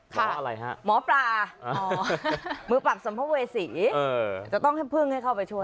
หมออะไรฮะหมอปลามือปราบสัมภเวษีจะต้องให้พึ่งให้เข้าไปช่วย